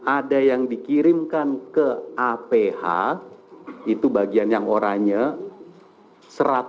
ada yang dikirimkan ke aph itu bagian yang oranya seratus surat